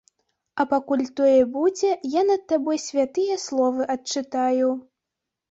А пакуль тое будзе, я над табой святыя словы адчытаю.